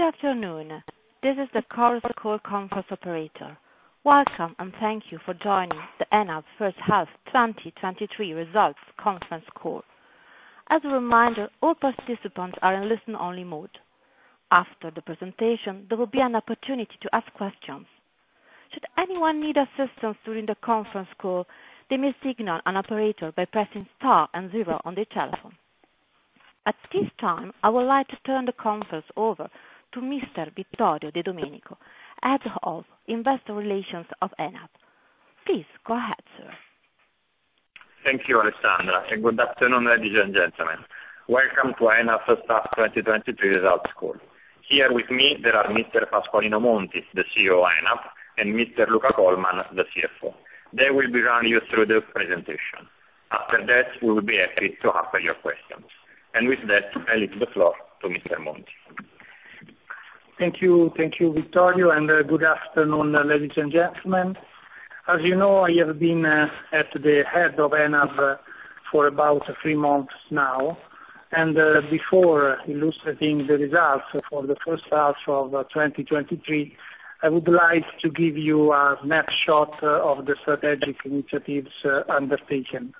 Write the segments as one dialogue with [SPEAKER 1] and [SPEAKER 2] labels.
[SPEAKER 1] Good afternoon. This is the Chorus Call Conference Operator. Welcome, and thank you for joining the ENAV first half 2023 Results Conference Call. As a reminder, all participants are in listen only mode. After the presentation, there will be an opportunity to ask questions. Should anyone need assistance during the conference call, they may signal an operator by pressing star and zero on their telephone. At this time, I would like to turn the conference over to Mr. Vittorio De Domenico, Head of Investor Relations of ENAV. Please go ahead, sir.
[SPEAKER 2] Thank you, Alessandra, and good afternoon, ladies and gentlemen. Welcome to ENAV first half 2023 Results Call. Here with me, there are Mr. Pasqualino Monti, the CEO of ENAV, and Mr. Luca Colman, the CFO. They will be running you through the presentation. After that, we will be happy to answer your questions. And with that, I leave the floor to Mr. Monti.
[SPEAKER 3] Thank you. Thank you, Vittorio, and good afternoon, ladies and gentlemen. As you know, I have been at the head of ENAV for about three months now, and before illustrating the results for the first half of 2023, I would like to give you a snapshot of the strategic initiatives undertaken.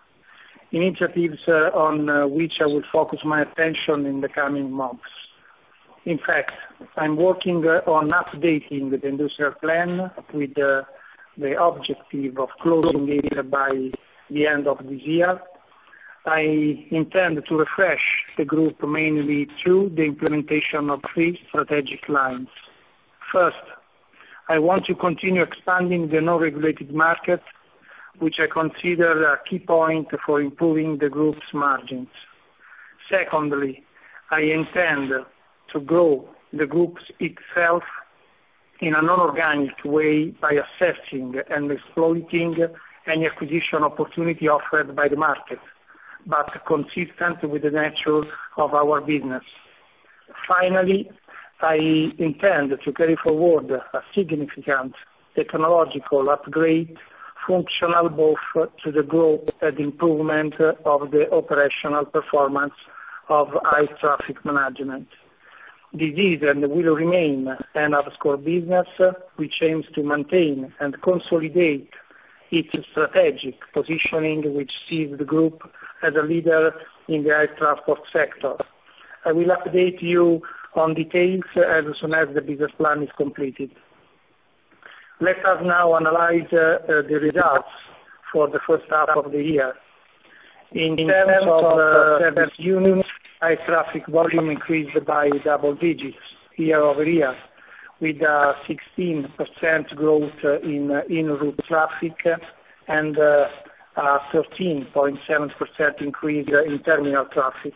[SPEAKER 3] Initiatives on which I will focus my attention in the coming months. In fact, I'm working on updating the industrial plan with the objective of closing it by the end of this year. I intend to refresh the group mainly through the implementation of three strategic lines. First, I want to continue expanding the non-regulated market, which I consider a key point for improving the group's margins. Secondly, I intend to grow the group itself in an inorganic way by assessing and exploiting any acquisition opportunity offered by the market, but consistent with the nature of our business. Finally, I intend to carry forward a significant technological upgrade, functional both to the growth and improvement of the operational performance of air traffic management. This is and will remain a core business, which aims to maintain and consolidate its strategic positioning, which sees the group as a leader in the air transport sector. I will update you on details as soon as the business plan is completed. Let us now analyze the results for the first half of the year. In terms of service units, air traffic volume increased by double digits year-over-year, with 16% growth in en-route traffic and 13.7% increase in terminal traffic.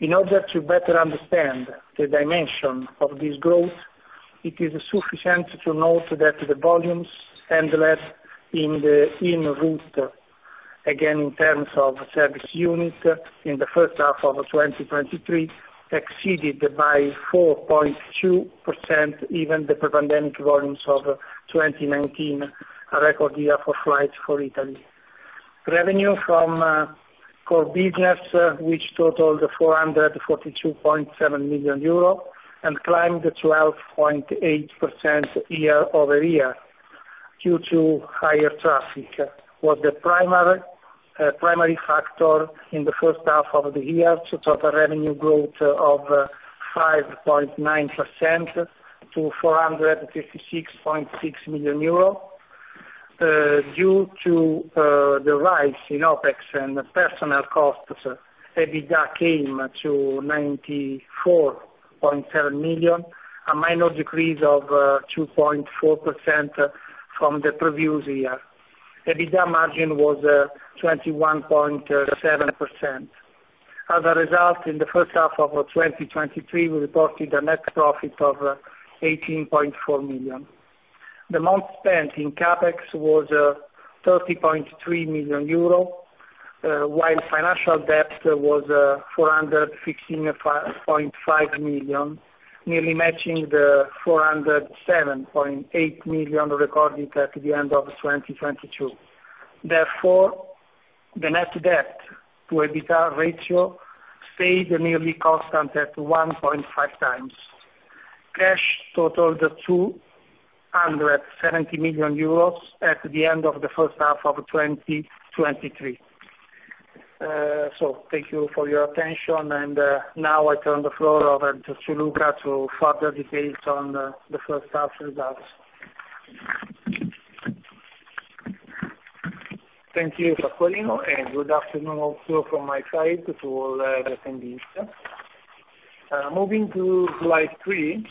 [SPEAKER 3] In order to better understand the dimension of this growth, it is sufficient to note that the volumes handled in the en-route, again, in terms of service unit in the first half of 2023, exceeded by 4.2%, even the pre-pandemic volumes of 2019, a record year for flights for Italy. Revenue from core business, which totaled 442.7 million euro and climbed 12.8% year-over-year due to higher traffic, was the primary primary factor in the first half of the year to total revenue growth of 5.9% to 456.6 million euro. Due to the rise in OpEx and the personnel costs, EBITDA came to 94.7 million, a minor decrease of 2.4% from the previous year. EBITDA margin was 21.7%. As a result, in the first half of 2023, we reported a net profit of 18.4 million. The amount spent in CapEx was 30.3 million euro, while financial debt was 416.5 million, nearly matching the 407.8 million recorded at the end of 2022. The net debt to EBITDA ratio stayed nearly constant at 1.5x. Cash totaled 270 million euros at the end of the first half of 2023. Thank you for your attention, and now I turn the floor over to Luca to further details on the first half results.
[SPEAKER 4] Thank you, Pasqualino, and good afternoon also from my side to all the attendees. Moving to slide 3,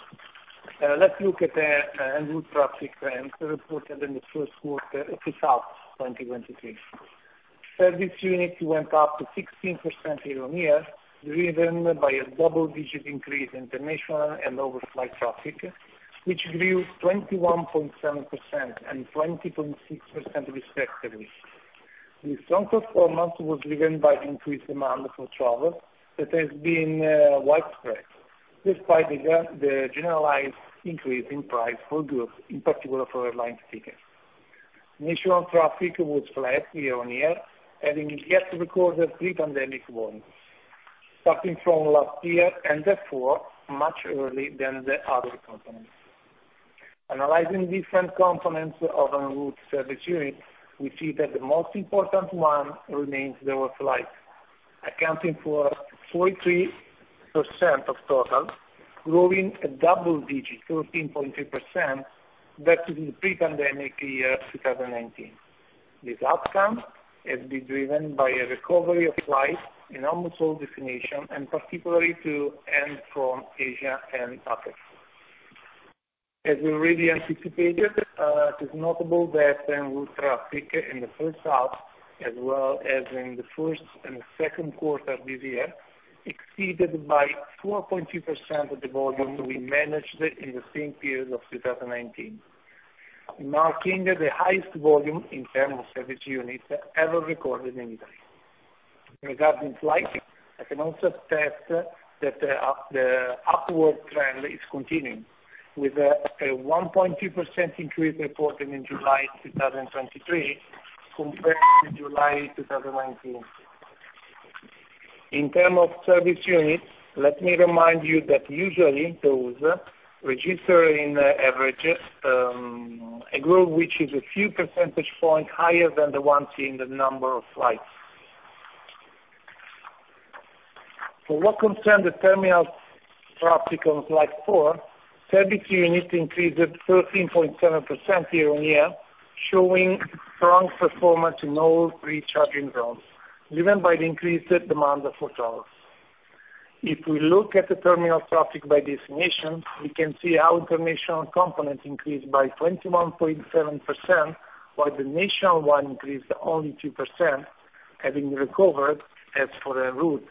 [SPEAKER 4] let's look at the en-route traffic trends reported in the first quarter of the half 2023. Service units went up to 16% year-on-year, driven by a double-digit increase in international and overflight traffic, which grew 21.7% and 20.6% respectively. The strong performance was driven by increased demand for travel that has been widespread, despite the generalized increase in price for goods, in particular for airline tickets. national traffic was flat year-on-year, having yet recorded pre-pandemic volumes, starting from last year and therefore much earlier than the other components. Analyzing different components of en-route service unit, we see that the most important one remains the flight, accounting for 43% of total, growing a double digit, 13.3%, back to the pre-pandemic year, 2019. This outcome has been driven by a recovery of flights in almost all destinations, and particularly to and from Asia and Africa. As we already anticipated, it is notable that then will traffic in the first half, as well as in the first and second quarter this year, exceeded by 4.2% of the volume we managed in the same period of 2019, marking the highest volume in terms of service units ever recorded in Italy. Regarding flights, I can also attest that the up, the upward trend is continuing, with a 1.2% increase reported in July 2023, compared to July 2019. In term of service units, let me remind you that usually those registering averages, a growth which is a few percentage point higher than the one seeing the number of flights. For what concerned the terminal traffic on slide 4, service unit increased 13.7% year-over-year, showing strong performance in all three charging zones, driven by the increased demand for travel. If we look at the terminal traffic by destination, we can see how international components increased by 21.7%, while the national one increased only 2%, having recovered, as for the route,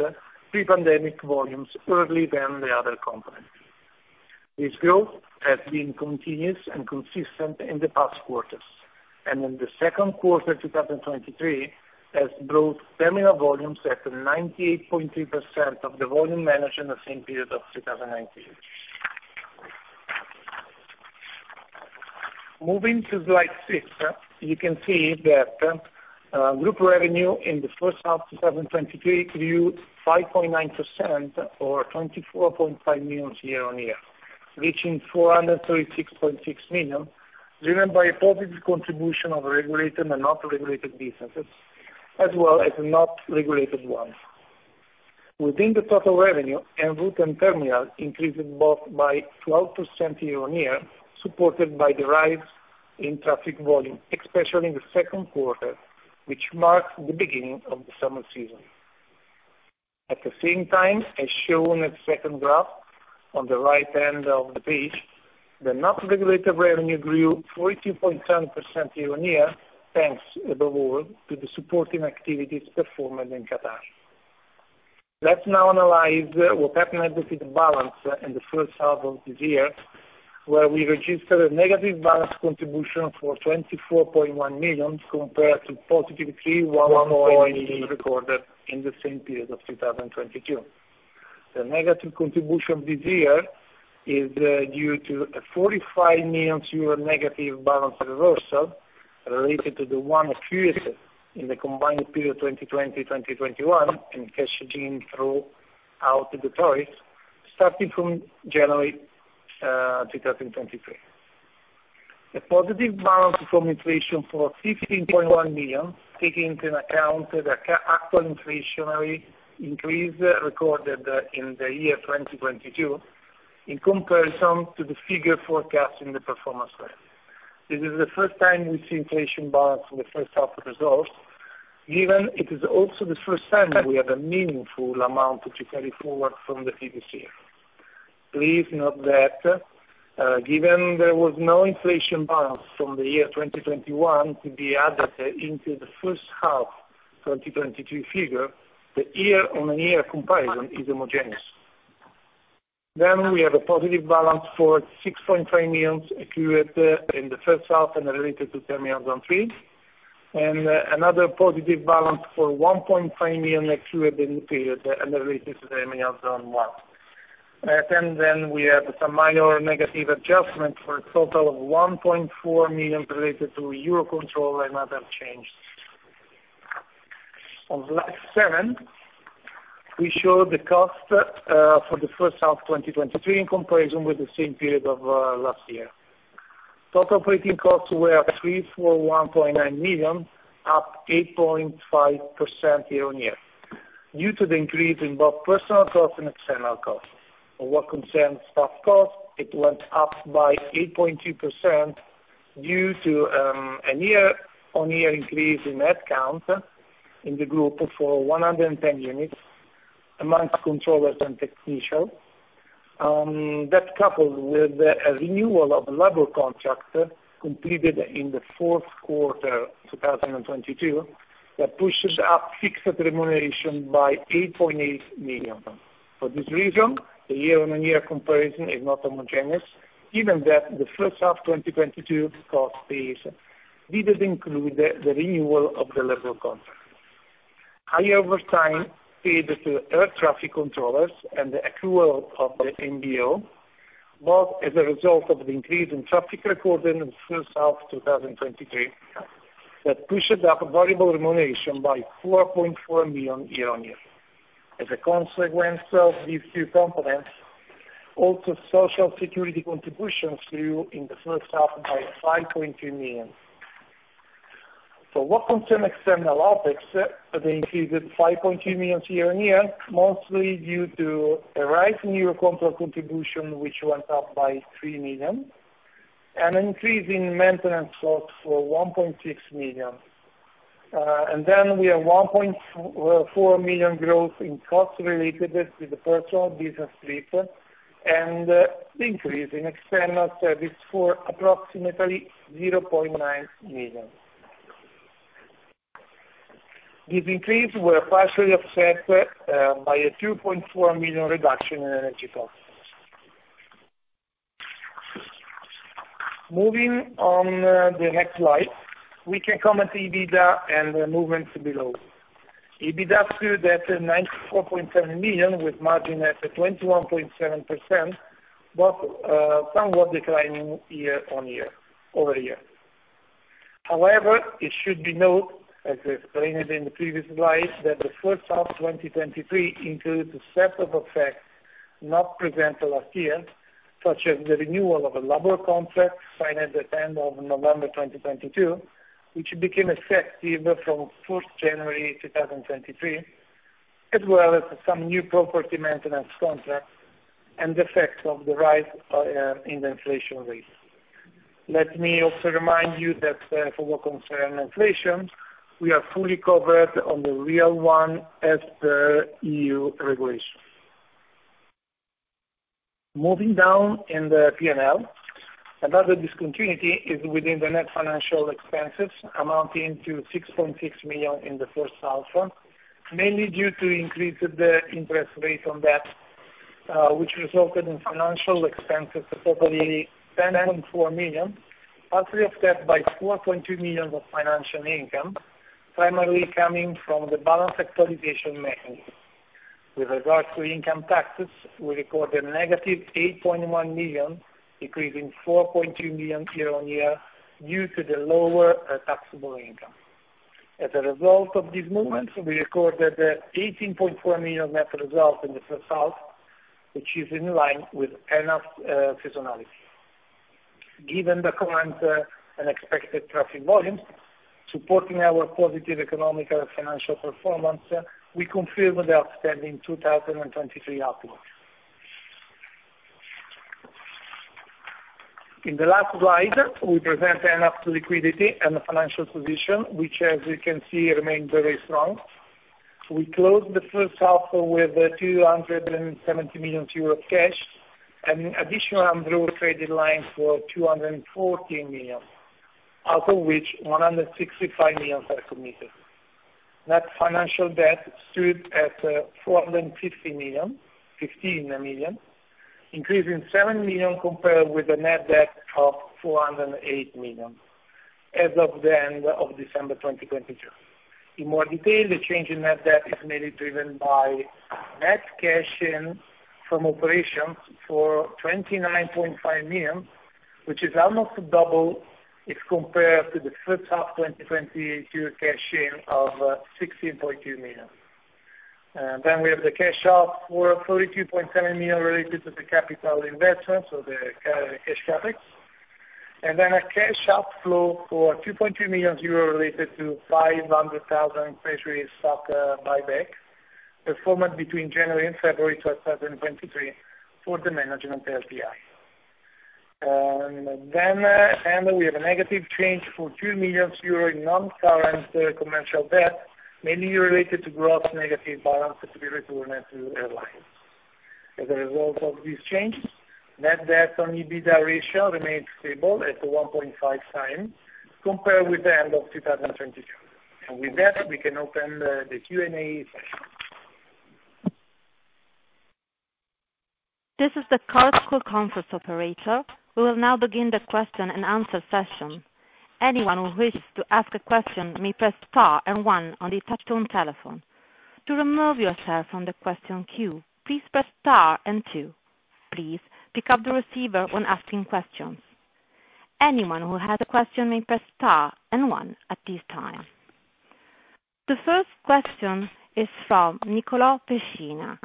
[SPEAKER 4] pre-pandemic volumes early than the other component. This growth has been continuous and consistent in the past quarters, in the second quarter, 2023, has brought terminal volumes at 98.3% of the volume managed in the same period of 2019. Moving to slide six, you can see that group revenue in the first half, 2023, grew 5.9% or 24.5 million year-on-year, reaching 436.6 million, driven by a positive contribution of regulated and not regulated businesses, as well as not regulated ones. Within the total revenue, en-route and terminal increased both by 12% year-on-year, supported by the rise in traffic volume, especially in the second quarter, which marks the beginning of the summer season. At the same time, as shown at second graph on the right end of the page, the not regulated revenue grew 42.7% year-on-year, thanks above all to the supporting activities performed in Qatar. Let's now analyze what happened with the balance in the first half of this year, where we registered a negative balance contribution for 24.1 million, compared to positive 31 point recorded in the same period of 2022. The negative contribution this year is due to a 45 million euro negative balance reversal related to the one occurred in the combined period, 2020, 2021, and cash gene throughout the choice, starting from January 2023.
[SPEAKER 5] A positive balance from inflation for 15.1 million, taking into account the actual inflationary increase recorded in the year 2022, in comparison to the figure forecast in the Performance Plan. This is the first time we see inflation balance for the first half results, given it is also the first time that we have a meaningful amount to carry forward from the previous year. Please note that, given there was no inflation balance from the year 2021 to be added into the first half 2022 figure, the year-over-year comparison is homogeneous. We have a positive balance for 6.5 million accrued in the first half and related to Terminal Charging Zone 3, and another positive balance for 1.5 million accrued in the period and related to the Terminal Charging Zone 1.
[SPEAKER 4] Then we have some minor negative adjustments for a total of 1.4 million related to EUROCONTROL and other change. On slide 7, we show the cost for the first half, 2023, in comparison with the same period of last year. Total operating costs were 341.9 million, up 8.5% year-on-year, due to the increase in both personnel costs and external costs. For what concerns staff costs, it went up by 8.2% due to a year-on-year increase in headcount in the group for 110 units, amongst controllers and technicians. That coupled with the a renewal of labor contract completed in the fourth quarter, 2022, that pushes up fixed remuneration by 8.8 million. For this reason, the year-on-year comparison is not homogeneous, given that the first half 2022 cost base didn't include the, the renewal of the labor contract. Higher overtime paid to air traffic controllers and the accrual of the MBO, both as a result of the increase in traffic recorded in the first half of 2023, that pushed up variable remuneration by 4.4 million year-on-year. As a consequence of these two components, also Social Security contributions grew in the first half by 5.2 million. What concerns external, they increased 5.2 million year-on-year, mostly due to a rise in EUROCONTROL contribution, which went up by 3 million, and an increase in maintenance costs for 1.6 million. Then we have 1.4 million growth in costs related with the personal business trip and the increase in external service for approximately EUR 0.9 million. These increases were partially offset by a 2.4 million reduction in energy costs. Moving on, the next slide, we can comment EBITDA and the movements below. EBITDA grew that 9.7 million, with margin at 21.7%, but somewhat declining year-over-year, over the year. However, it should be noted, as explained in the previous slide, that the first half of 2023 includes a set of effects not present last year, such as the renewal of a labor contract signed at the end of November 2022, which became effective from 1st January 2023, as well as some new property maintenance contracts and the effect of the rise in the inflation rates. Let me also remind you that for what concern inflation, we are fully covered on the real one at the EU regulation. Moving down in the P&L, another discontinuity is within the net financial expenses, amounting to 6.6 million in the first half, mainly due to increased the interest rates on debt, which resulted in financial expenses of probably 10.4 million, partially offset by 4.2 millions of financial income, primarily coming from the balance actualization mainly. With regard to income taxes, we recorded negative 8.1 million, increasing 4.2 million year-on-year, due to the lower taxable income. As a result of these movements, we recorded 18.4 million net result in the first half, which is in line with enough seasonality. Given the current and expected traffic volumes supporting our positive economic and financial performance, we confirm the outstanding 2023 outlook. In the last slide, we present enough liquidity and the financial position, which, as you can see, remains very strong. We closed the first half with 270 million euro cash and additional undrawn credit line for 214 million, out of which 165 million are committed. Net financial debt stood at 450 million, 15 million, increasing 7 million compared with the net debt of 408 million as of the end of December 2022. In more detail, the change in net debt is mainly driven by net cash in from operations for 29.5 million, which is almost double if compared to the first half 2022 cash in of 16.2 million. Then we have the cash out for 32.7 million related to the capital investments, so the cash topics, and then a cash outflow for 2.2 million euro related to 500,000 treasury stock, buyback performed between January and February 2023 for the management LPI. We have a negative change for 2 million euros in non-current commercial debt, mainly related to gross negative balance to be returned to airlines. As a result of this change, net debt/EBITDA ratio remains stable at 1.5 times compared with the end of 2022. With that, we can open the, the Q&A session.
[SPEAKER 1] This is the Chorus Call Conference Operator. We will now begin the question-and-answer session. Anyone who wishes to ask a question may press star and one on the touchtone telephone. To remove yourself from the question queue, please press star and two. Please pick up the receiver when asking questions. Anyone who has a question may press star and one at this time. The first question is from Nicolò Pecina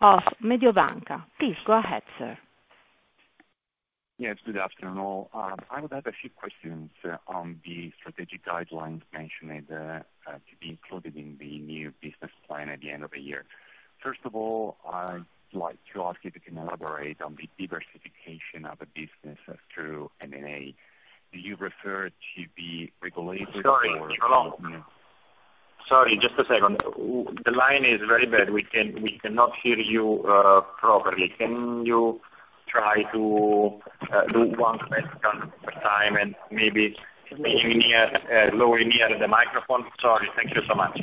[SPEAKER 1] of Mediobanca. Please go ahead, sir.
[SPEAKER 6] Yes, good afternoon, all. I would have a few questions on the strategic guidelines mentioned to be included in the new business plan at the end of the year. First of all, I'd like to ask you to elaborate on the diversification of the business through M&A. Do you refer to the regulated-
[SPEAKER 2] Sorry, Nicolò. Sorry, just a second. The line is very bad. We can, we cannot hear you properly. Can you try to do one question at a time and maybe lower near the microphone? Sorry. Thank you so much.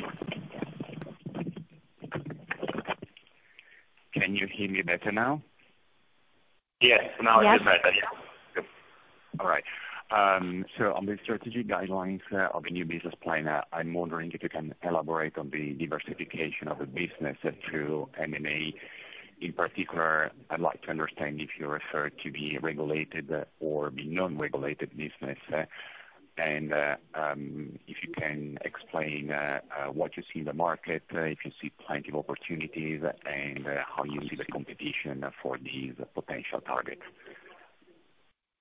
[SPEAKER 6] Can you hear me better now?
[SPEAKER 2] Yes, now it is better, yeah. Good.
[SPEAKER 6] All right. On the strategic guidelines of the new business plan, I'm wondering if you can elaborate on the diversification of the business through M&A. In particular, I'd like to understand if you refer to the regulated or the non-regulated business, and if you can explain what you see in the market, if you see plenty of opportunities, and how you see the competition for these potential targets.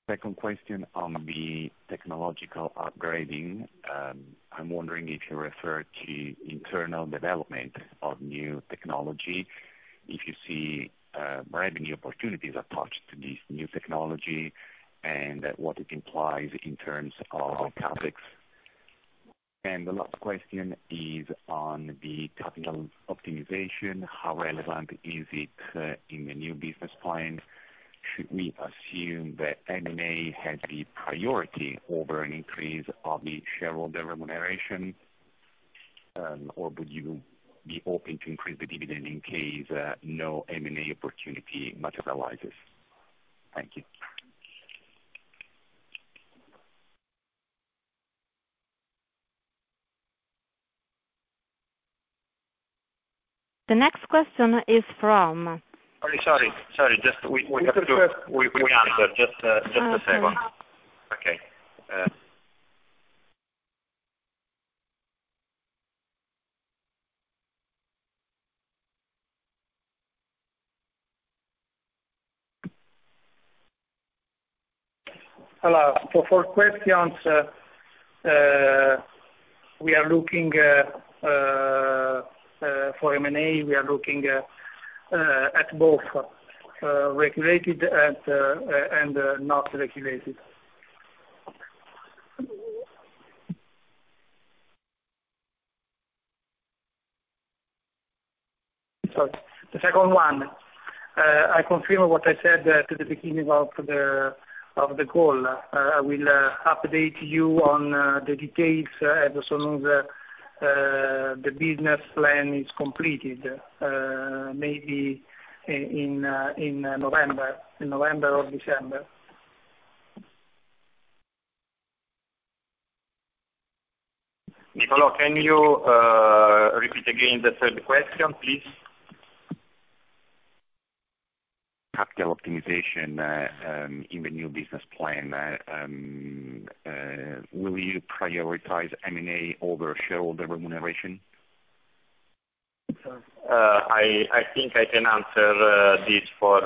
[SPEAKER 6] Second question on the technological upgrading. I'm wondering if you refer to internal development of new technology, if you see revenue opportunities attached to this new technology, and what it implies in terms of inaudible. The last question is on the capital optimization. How relevant is it in the new business plan? Should we assume that M&A has the priority over an increase of the shareholder remuneration, or would you be open to increase the dividend in case no M&A opportunity materializes? Thank you.
[SPEAKER 1] The next question is from-
[SPEAKER 2] Sorry, sorry, sorry. Just we, we have to do... We, we answer. Just, just a second.
[SPEAKER 1] Okay.
[SPEAKER 3] Okay. Hello. For questions, we are looking for M&A, we are looking at both regulated and not regulated. Sorry. The second one, I confirm what I said to the beginning of the call. I will update you on the details as soon as the business plan is completed, maybe in November, in November or December.
[SPEAKER 2] Nicolo, can you repeat again the third question, please?
[SPEAKER 6] Capital optimization, in the new business plan, will you prioritize M&A over shareholder remuneration?
[SPEAKER 4] I, I think I can answer this for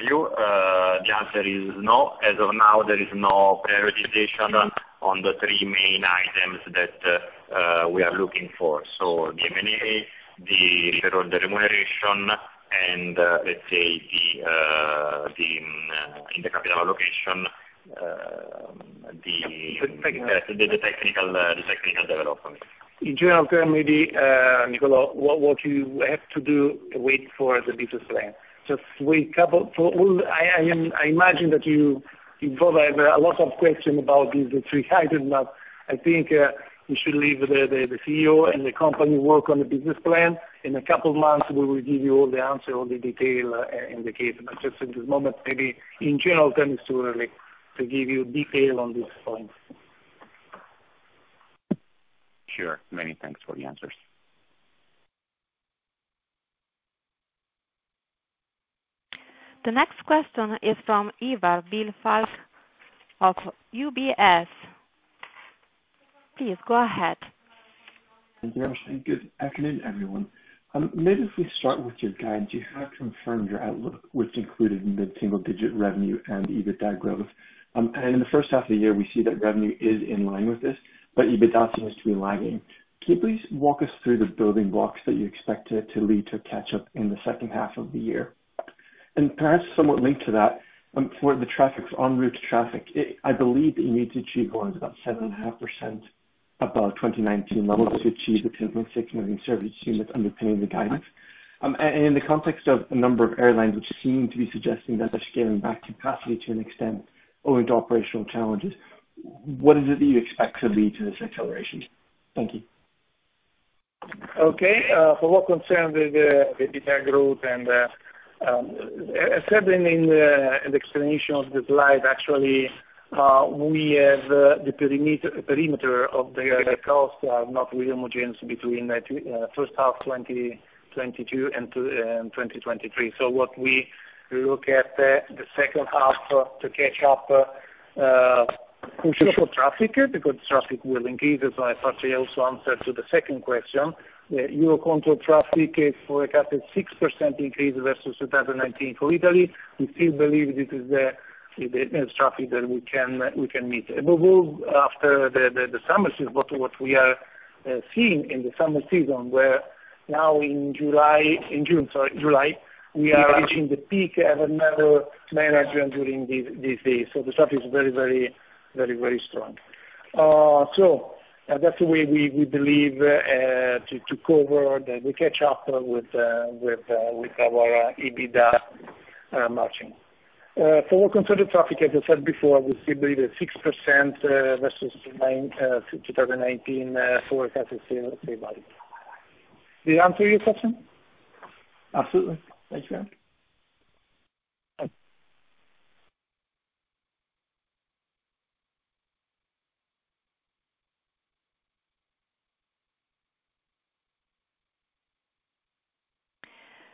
[SPEAKER 4] you. The answer is no. As of now, there is no prioritization on the three main items that we are looking for. The M&A, the shareholder remuneration, and, let's say the, the, in the capital allocation, the, the, the technical, the technical development.
[SPEAKER 3] In general term, maybe, Nicolo, what you have to do, wait for the business plan. Just wait couple... For all, I imagine that you provide a lot of question about these three items, but I think, we should leave the CEO and the company work on the business plan. In a couple of months, we will give you all the answer, all the detail, in the case, but just at this moment, maybe in general term, it's too early to give you detail on this point.
[SPEAKER 6] Sure. Many thanks for the answers.
[SPEAKER 1] The next question is from Eva of UBS. Please go ahead.
[SPEAKER 7] Thank you, and good afternoon, everyone. Maybe if we start with your guide, you have confirmed your outlook, which included mid-single digit revenue and EBITDA growth. In the first half of the year, we see that revenue is in line with this, but EBITDA seems to be lagging. Can you please walk us through the building blocks that you expect it to lead to catch up in the second half of the year? Perhaps somewhat linked to that, for the traffics, en-route traffic, I believe that you need to achieve around about 7.5% above 2019 levels to achieve the assuming it's underpinning the guidance. In the context of a number of airlines, which seem to be suggesting that they're scaling back capacity to an extent owing to operational challenges, what is it that you expect to lead to this acceleration? Thank you.
[SPEAKER 3] Okay, for what concern the data growth and, as said in an explanation of the slide, actually, we have the perimeter perimeter of the cost are not really homogeneous between the two, first half, 2022 and 2023. What we look at the second half to catch up for traffic, because traffic will increase, as I thought I also answered to the second question. The EUROCONTROL traffic is forecasted 6% increase versus 2019 for Italy. We still believe this is the traffic that we can, we can meet. We, after the summer season, what we are seeing in the summer season, where now in July, in June, sorry, July, we are reaching the peak have another management during these days. The traffic is very, very, very, very strong. That's the way we, we believe, to, to cover, that we catch up with, with, with our EBITDA. Matching. For considered traffic, as I said before, we still believe that 6%, versus 2019, forecast is still the same value. Did I answer your question?
[SPEAKER 7] Absolutely. Thank you.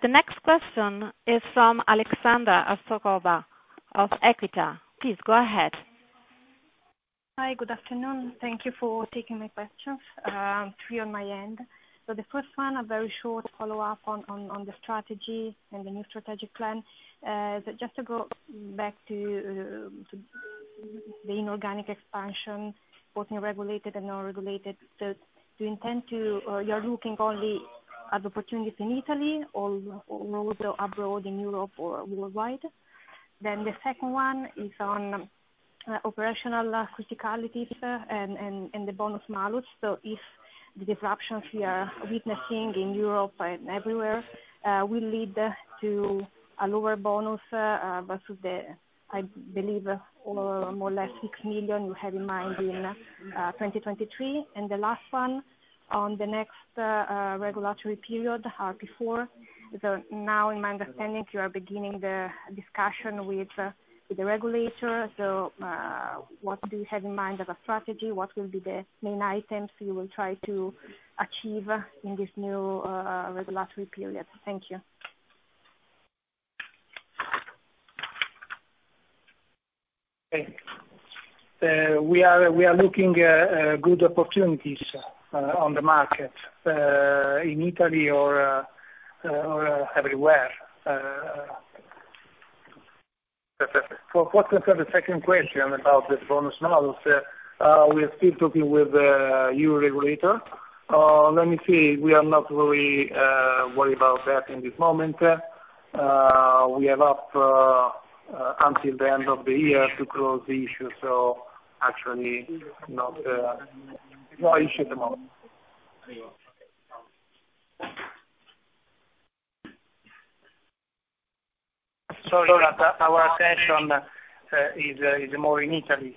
[SPEAKER 1] The next question is from Alexander Astokova of Equita. Please go ahead.
[SPEAKER 8] Hi, good afternoon. Thank you for taking my questions. Three on my end. The first one, a very short follow-up on, on, on the strategy and the new strategic plan. Just to go back to the inorganic expansion, both in regulated and non-regulated. Do you intend to, or you're looking only at opportunities in Italy or, or also abroad, in Europe or worldwide? The second one is on operational criticalities and the bonus malus. If the disruptions we are witnessing in Europe and everywhere will lead to a lower bonus versus the, I believe, more or less 6 million you had in mind in 2023. The last one, on the next regulatory period, RP4. Now in my understanding, you are beginning the discussion with the regulator. What do you have in mind as a strategy? What will be the main items you will try to achieve in this new regulatory period? Thank you.
[SPEAKER 3] Okay. We are, we are looking, good opportunities, on the market, in Italy or, or everywhere. For concern the second question about the bonus malus, we are still talking with the EU regulator. Let me see, we are not really, worried about that in this moment. We have up, until the end of the year to close the issue, so actually not, not an issue at the moment. Sorry, our attention, is, is more in Italy.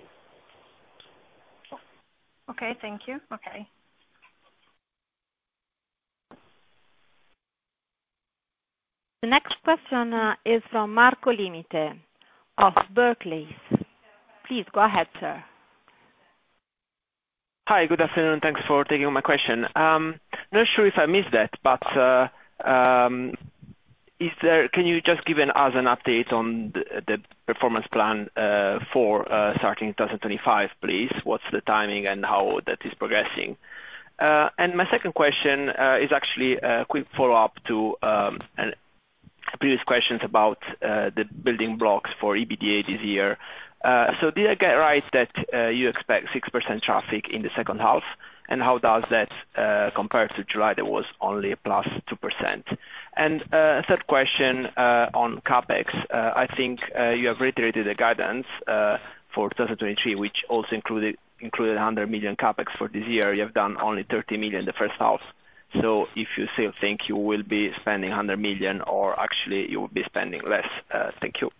[SPEAKER 8] Okay, thank you. Okay.
[SPEAKER 1] The next question is from Marco Limite of Barclays. Please go ahead, sir.
[SPEAKER 9] Hi, good afternoon, and thanks for taking my question. Not sure if I missed that, can you just give us an update on the Performance Plan for starting 2025, please? What's the timing and how that is progressing? My second question is actually a quick follow-up to an previous questions about the building blocks for EBITDA this year. Did I get right that you expect 6% traffic in the second half? How does that compare to July, that was only a +2%? Third question on CapEx. I think you have reiterated the guidance for 2023, which also included 100 million CapEx for this year. You have done only 30 million the first half. If you still think you will be spending 100 million or actually you will be spending less? Thank you.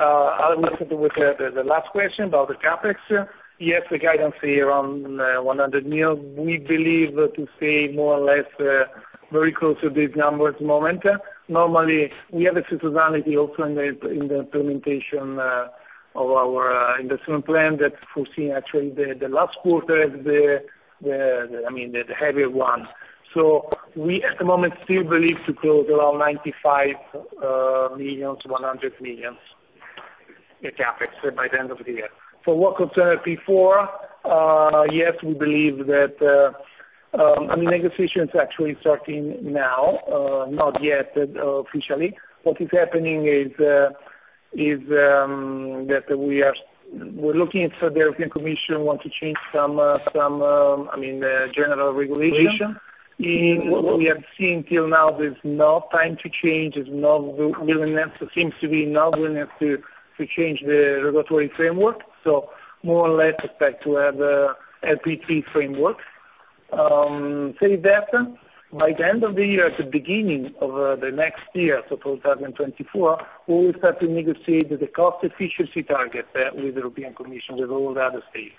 [SPEAKER 3] I will start with the, the, the last question about the CapEx. Yes, the guidance around 100 million, we believe to stay more or less, very close to these numbers at the moment. Normally, we have a seasonality also in the, in the implementation of our investment plan that foreseen actually the, the last quarter, the, the, I mean, the heavier ones. We, at the moment, still believe to close around 95 million-100 million in CapEx by the end of the year. For what concern before, yes, we believe that, I mean, negotiations actually starting now, not yet officially. What is happening is, is that we are, we're looking at the European Commission want to change some, some, I mean, the general regulation. In what we have seen till now, there's no time to change, there's no willingness, it seems to be no willingness to, to change the regulatory framework. More or less expect to have a LPP framework. Say that by the end of the year, at the beginning of the next year, so 2024, we will start to negotiate the cost efficiency target with the European Commission, with all the other states.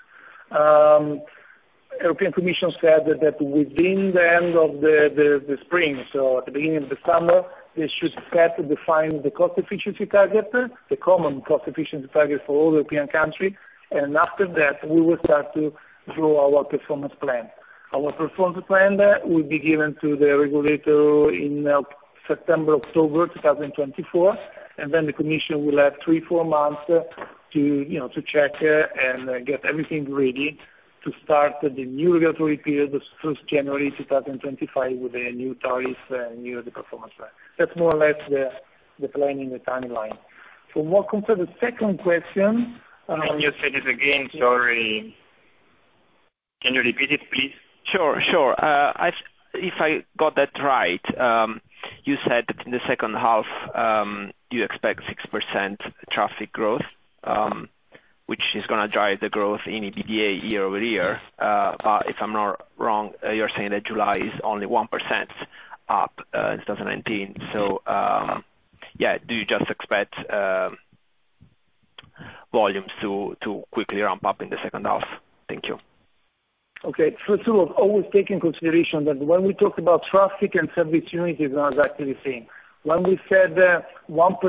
[SPEAKER 3] European Commission said that within the end of the spring, so at the beginning of the summer, they should start to define the cost efficiency target, the common cost efficiency target for all European countries. After that, we will start to draw our Performance Plan. Our Performance Plan will be given to the regulator in September, October 2024, and then the commission will have 3, 4 months to, you know, to check and get everything ready to start the new regulatory period, this 1st January 2025, with the new targets and new Performance Plan. That's more or less the, the plan in the timeline. What concern the second question. Can you say this again? Sorry. Can you repeat it, please?
[SPEAKER 9] Sure, sure. I, if I got that right, you said that in the second half, you expect 6% traffic growth, which is gonna drive the growth in EBITDA year-over-year. If I'm not wrong, you're saying that July is only 1% up in 2019. Yeah, do you just expect volumes to, to quickly ramp up in the second half? Thank you.
[SPEAKER 3] Okay. First of all, always take into consideration that when we talk about traffic and service unit is not exactly the same. When we said 1%, 1.2%,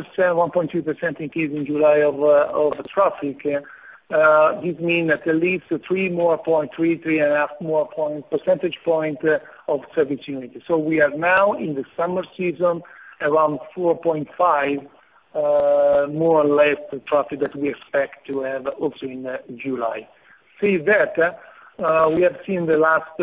[SPEAKER 3] I think it is, in July of traffic, this mean that it leads to 3.3, 3.5 more point, percentage point of service unit. We are now in the summer season, around 4.5, more or less, the traffic that we expect to have also in July. Say that we have seen the last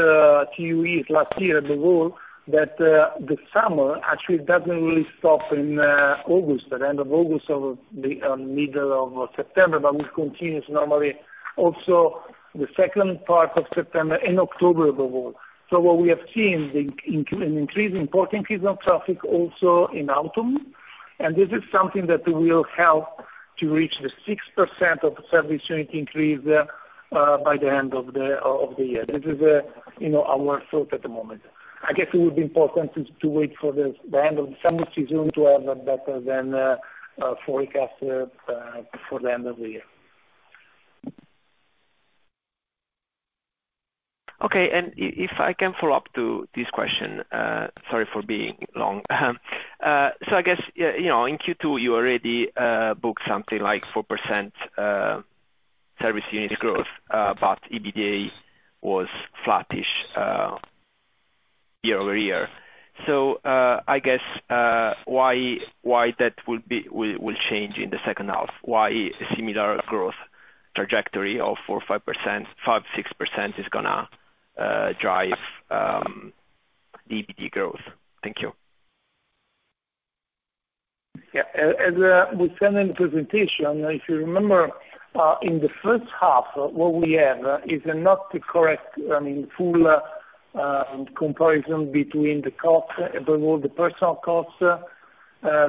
[SPEAKER 3] two weeks, last year the rule, that the summer actually doesn't really stop in August, the end of August or the middle of September, but it continues normally also the second part of September and October overall. What we have seen in, in, in increase, important increase on traffic also in autumn, and this is something that will help to reach the 6% of service unit increase by the end of the, of, of the year. This is, you know, our thought at the moment. I guess it would be important to, to wait for the, the end of the summer season to have a better than forecast for the end of the year.
[SPEAKER 9] Okay. If I can follow up to this question, sorry for being long. I guess, yeah, you know, in Q2, you already, booked something like 4%, service unit growth, but EBITDA was flattish, year-over-year. I guess, why, why that will be, will, will change in the second half? Why a similar growth trajectory of 4%-5%, 5%-6% is gonna, drive, EBITDA growth? Thank you.
[SPEAKER 3] Yeah. As, as we said in presentation, if you remember, in the first half, what we have is not the correct, I mean, full comparison between the cost, above all the personnel costs,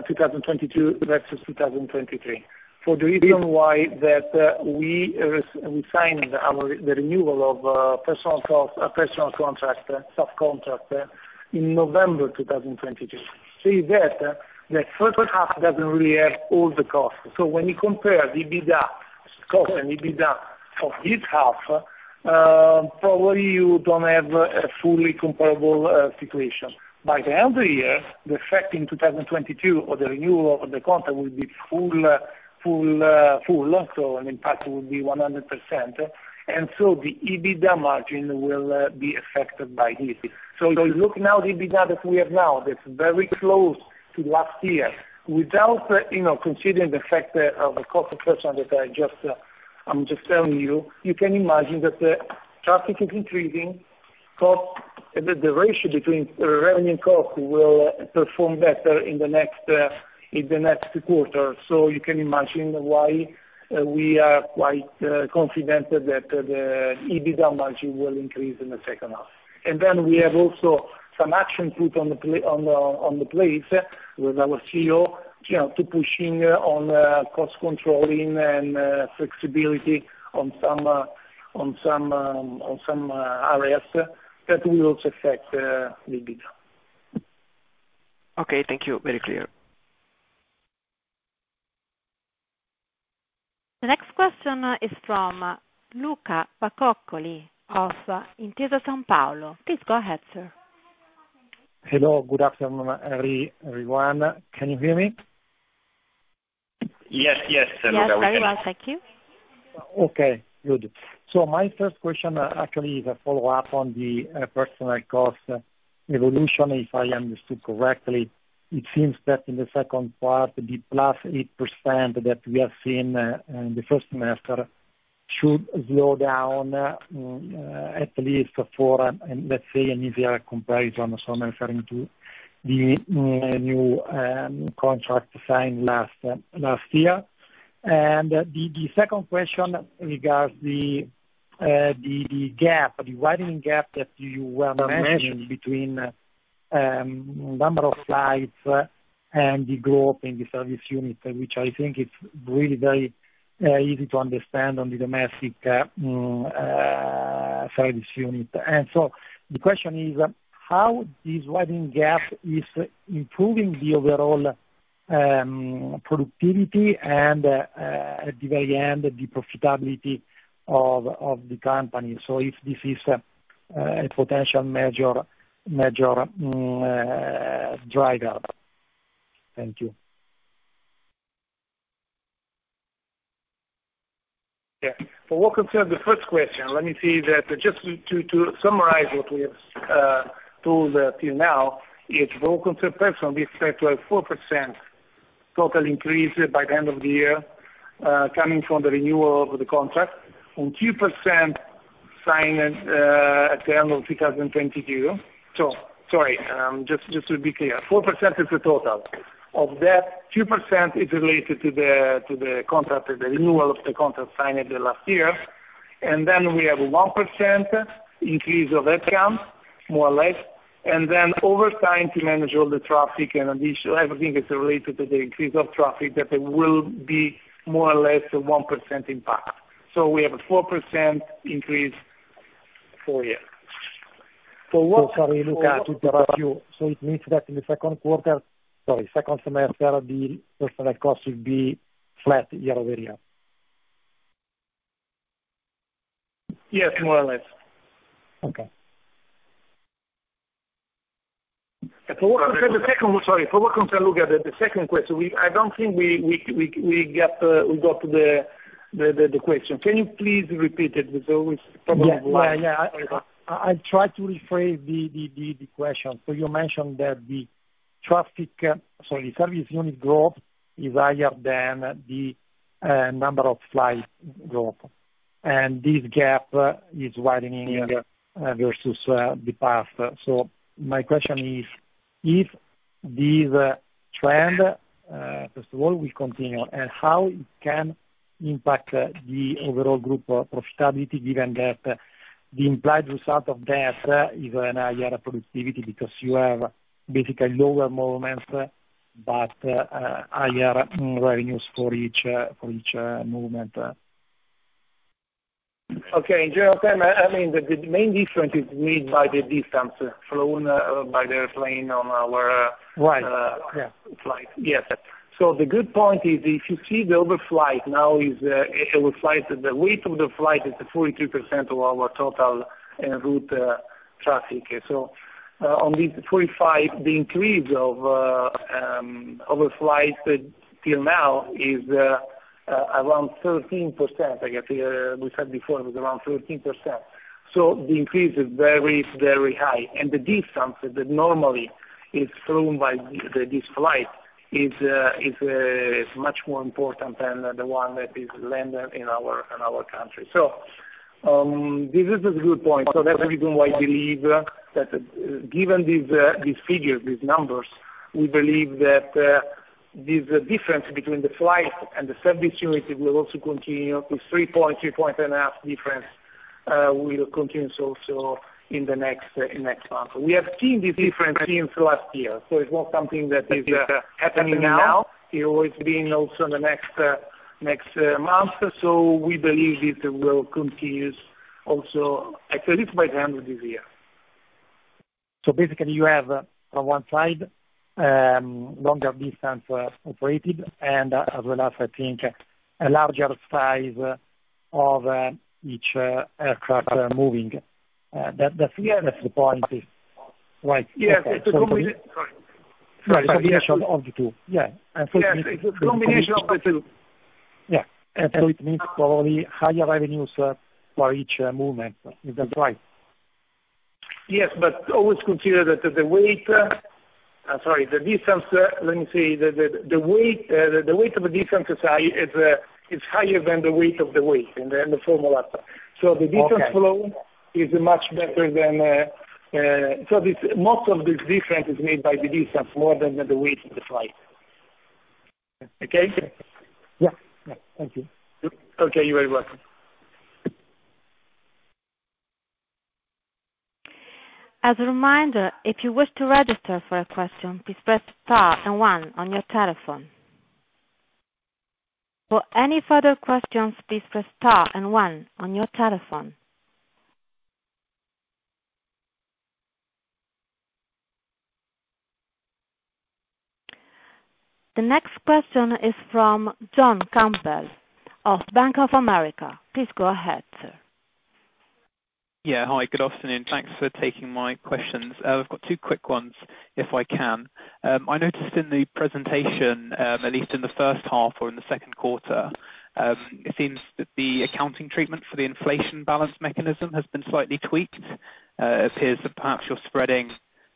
[SPEAKER 3] 2022 versus 2023. For the reason why, that, we signed our, the renewal of, personal cost, personal contract, sub-contract, in November 2022. Say that, the first half doesn't really have all the costs. When you compare the EBITDA cost and EBITDA for this half, probably you don't have a fully comparable situation. By the end of the year, the effect in 2022 of the renewal of the contract will be full, so an impact will be 100%, and so the EBITDA margin will be affected by this. You look now, the EBITDA that we have now, that's very close to last year, without, you know, considering the fact that, of the cost effect that I just, I'm just telling you, you can imagine that the traffic is increasing, the ratio between revenue and cost will perform better in the next, in the next quarter. You can imagine why, we are quite confident that the EBITDA margin will increase in the second half. Then we have also some action put on the place, with our CEO, you know, to pushing on, cost controlling and flexibility on some, on some, on some areas, that will also affect the EBITDA.
[SPEAKER 9] Okay, thank you. Very clear.
[SPEAKER 1] The next question is from Luca Bacoccoli of Intesa Sanpaolo. Please go ahead, sir.
[SPEAKER 5] Hello, good afternoon, everyone. Can you hear me?
[SPEAKER 9] Yes, yes, Luca, we can.
[SPEAKER 1] Yes, very well, thank you.
[SPEAKER 5] Okay, good. My first question actually is a follow-up on the personnel costs evolution, if I understood correctly. It seems that in the second part, the +8% that we have seen in the first semester, should slow down, at least for, let's say, an easier comparison. I'm referring to the new contract signed last year. The second question regards the gap, the widening gap that you were mentioning between number of flights and the growth in the service unit, which I think is really very easy to understand on the domestic service unit. The question is, how this widening gap is improving the overall productivity and, at the very end, the profitability of the company? If this is a potential major, major driver. Thank you.
[SPEAKER 3] Yeah. For what concerns the first question, let me say that just to summarize what we have told till now, is what concerns personnel, we expect to have 4% total increase by the end of the year, coming from the renewal of the contract, and 2% signed at the end of 2022. Sorry, just, just to be clear, 4% is the total. Of that, 2% is related to the, to the contract, the renewal of the contract signed the last year. Then we have 1% increase of headcounts, more or less, and then over time to manage all the traffic and addition, everything is related to the increase of traffic, that there will be more or less a 1% impact. We have a 4% increase for year.
[SPEAKER 5] Sorry, Luca, to interrupt you. It means that in the second quarter, sorry, second semester, the personnel costs will be flat year-over-year?
[SPEAKER 3] Yes, more or less.
[SPEAKER 5] Okay.
[SPEAKER 3] Sorry, for Luca, the, the second question, I don't think we, we, we, we get, we got the, the, the, the question. Can you please repeat it? There was problem with line.
[SPEAKER 5] Yeah, yeah. I, I try to rephrase the question. You mentioned that the traffic, sorry, the service unit growth is higher than the number of flight growth, and this gap is widening versus the past. My question is, if this trend, first of all, will continue, and how it can impact the overall group profitability, given that the implied result of that is an higher productivity, because you have basically lower movements, but higher revenues for each, for each movement?
[SPEAKER 3] Okay. In general term, I mean, the main difference is made by the distance flown, by the plane on our-
[SPEAKER 5] Right. Yeah.
[SPEAKER 3] flight. Yes. The good point is, if you see the overflight now is overflight, the weight of the flight is 42% of our total route traffic. On these 45, the increase of overflight till now is around 13%, I guess, we said before, it was around 13%. The increase is very, very high, and the distance that normally is flown by this flight is much more important than the one that is landed in our country. This is a good point. That's the reason why I believe that given these, these figures, these numbers, we believe that, this difference between the flight and the service unit will also continue to 3.5 difference, will continue also in the next, in next month. We have seen this difference in last year, so it's not something that is happening now, it always been also in the next, next, month. We believe it will continue also, at least by the end of this year.
[SPEAKER 5] Basically you have on one side, longer distance operated, and as well as I think, a larger size of each aircraft moving. That, that's the point, right?
[SPEAKER 3] Yes, it's a combination. Sorry.
[SPEAKER 5] Combination of the two. Yeah.
[SPEAKER 3] Yes, it's a combination of the 2.
[SPEAKER 5] Yeah. So it means probably higher revenues for each movement. Is that right?
[SPEAKER 3] Yes, always consider that the weight, sorry, the distance, let me say the, the, the weight, the weight of the distance is high, is, is higher than the weight of the weight in the, the formula.
[SPEAKER 5] Okay.
[SPEAKER 3] The distance flow is much better than, so this, most of this difference is made by the distance more than the weight of the flight. Okay?
[SPEAKER 5] Yeah. Yeah. Thank you.
[SPEAKER 3] Okay, you're very welcome.
[SPEAKER 1] As a reminder, if you wish to register for a question, please press star and one on your telephone. For any further questions, please press star and one on your telephone. The next question is from John Campbell of Bank of America. Please go ahead, sir.
[SPEAKER 10] Yeah. Hi, good afternoon. Thanks for taking my questions. I've got 2 quick ones, if I can. I noticed in the presentation, at least in the first half or in the second quarter, it seems that the accounting treatment for the inflation balance mechanism has been slightly tweaked. Appears that perhaps you're spreading,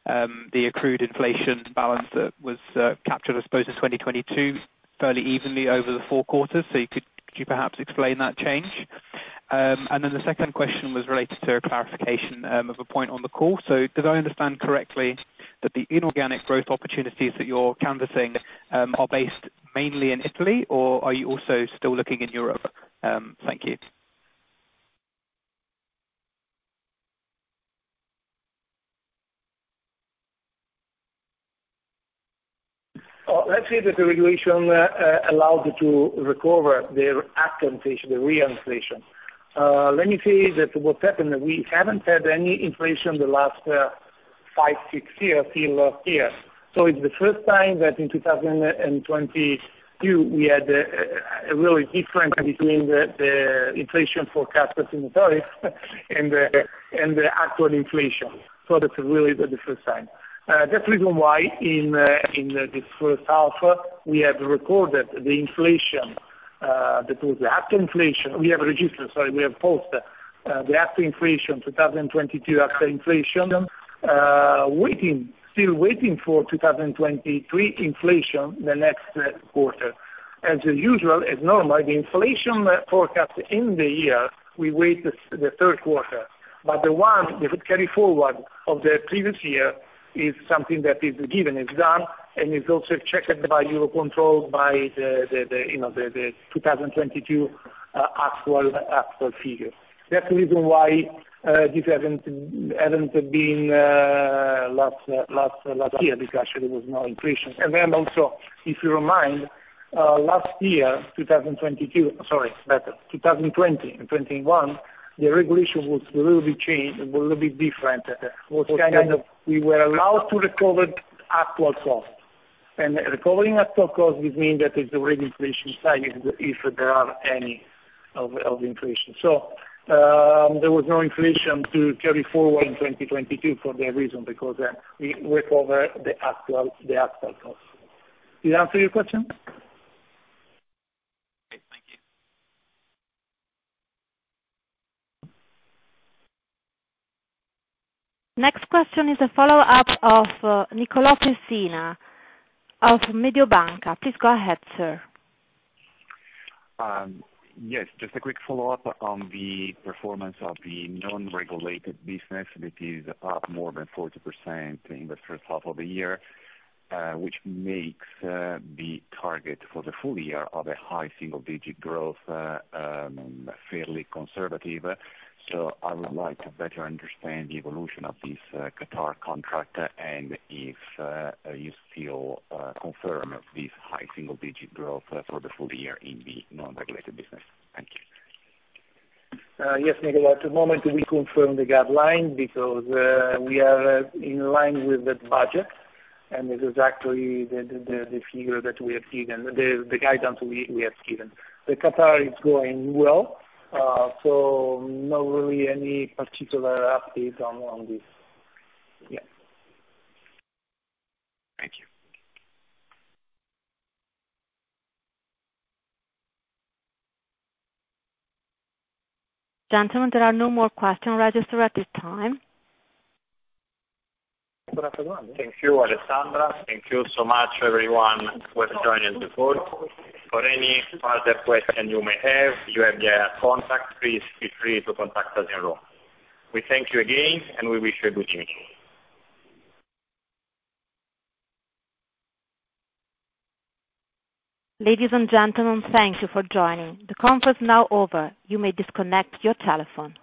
[SPEAKER 10] the accrued inflation balance that was, captured, I suppose, in 2022, fairly evenly over the 4 quarters. Could you perhaps explain that change? Then the second question was related to a clarification, of a point on the call. Did I understand correctly, that the inorganic growth opportunities that you're canvassing, are based mainly in Italy, or are you also still looking in Europe? Thank you.
[SPEAKER 3] Let's say that the regulation allowed to recover their actual inflation, the real inflation. Let me say that what happened, we haven't had any inflation in the last five, six years, till last year. It's the first time that in 2022, we had a really difference between the inflation forecast in the tariffs and the actual inflation. That's really the first time. That's the reason why in this first half, we have recorded the inflation that was the actual inflation. We have registered, sorry, we have posted the actual inflation, 2022 actual inflation, waiting, still waiting for 2023 inflation the next quarter. As usual, as normal, the inflation forecast in the year, we wait the, the third quarter, but the one, the carry forward of the previous year is something that is given, is done, and is also checked by EUROCONTROL, by the, the, the, you know, the 2022 actual, actual figure. That's the reason why this haven't, haven't been last, last, last year, because actually there was no inflation. Then also, if you remind, last year, 2022, sorry, better, 2020 and 2021, the regulation was a little bit changed, a little bit different. We were allowed to recover actual cost, and recovering actual cost would mean that there's already inflation side, if there are any of, of inflation. There was no inflation to carry forward in 2022 for that reason, because, we recover the actual, the actual cost. Did I answer your question?
[SPEAKER 10] Great. Thank you.
[SPEAKER 1] Next question is a follow-up of Nicola Messina of Mediobanca. Please go ahead, sir.
[SPEAKER 11] Yes, just a quick follow-up on the performance of the non-regulated business, which is up more than 40% in the first half of the year, which makes the target for the full year of a high single-digit growth fairly conservative. I would like to better understand the evolution of this Qatar contract, and if you still confirm this high single-digit growth for the full year in the non-regulated business. Thank you.
[SPEAKER 3] Yes, Nicola, at the moment, we confirm the guideline because we are in line with the budget. This is actually the, the, the, the figure that we have given, the, the guidance we, we have given. The Qatar is going well, so not really any particular update on, on this. Yeah.
[SPEAKER 6] Thank you.
[SPEAKER 1] Gentlemen, there are no more question registered at this time.
[SPEAKER 3] Good afternoon.
[SPEAKER 4] Thank you, Alessandra. Thank you so much everyone who has joined the call. For any further question you may have, you have the contact. Please feel free to contact us in Rome. We thank you again, and we wish you a good evening.
[SPEAKER 1] Ladies and gentlemen, thank you for joining. The conference is now over. You may disconnect your telephone.